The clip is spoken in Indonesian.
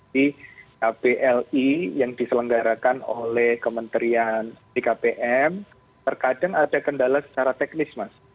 di kbli yang diselenggarakan oleh kementerian bkpm terkadang ada kendala secara teknis mas